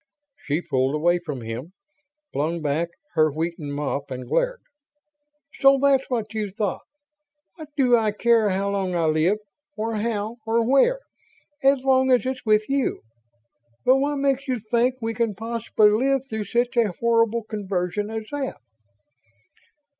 She pulled away from him, flung back her wheaten mop and glared. "So that's what you thought! What do I care how long I live, or how, or where, as long as it's with you? But what makes you think we can possibly live through such a horrible conversion as that?"